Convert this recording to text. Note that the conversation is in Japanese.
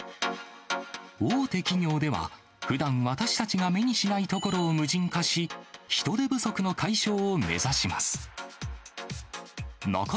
大手企業では、ふだん、私たちが目にしない所を無人化し、人手不足の解消を目指します。